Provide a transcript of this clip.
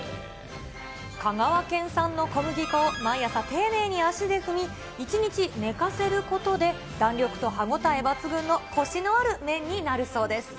香川県産の小麦粉を毎朝丁寧に足で踏み、１日寝かせることで、弾力と歯応え抜群のこしのある麺になるそうです。